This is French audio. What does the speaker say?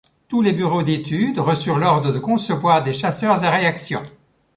Tous les bureaux d’études reçurent l’ordre de concevoir des chasseurs à réaction.